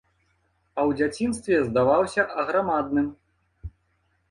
А ў дзяцінстве здаваўся аграмадным.